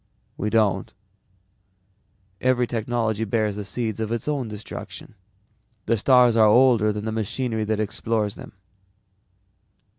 We don't. Every technology bears the seeds of its own destruction. The stars are older than the machinery that explores them."